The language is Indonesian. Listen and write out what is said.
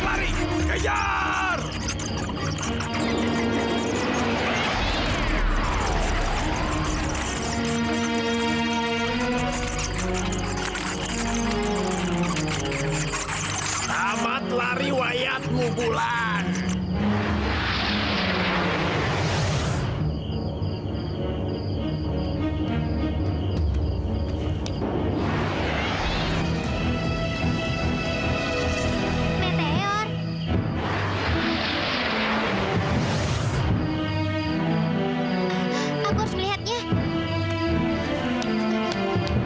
jangan sampai ada yang kalah